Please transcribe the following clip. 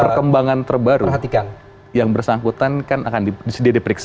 perkembangan terbaru yang bersangkutan kan akan disediakan diperiksa